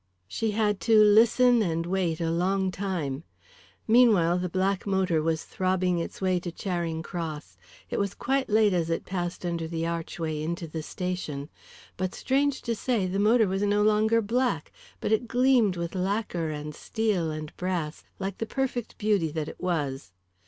She had to listen and wait a long time. Meanwhile the black motor was throbbing its way to Charing Cross. It was quite late as it passed under the archway into the station. But, strange to say, the motor was no longer black, but it gleamed with lacquer and steel and brass like the perfect beauty that it was.